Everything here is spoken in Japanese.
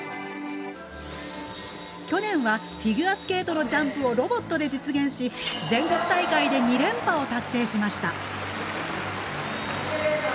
去年はフィギュアスケートのジャンプをロボットで実現し全国大会で２連覇を達成しました。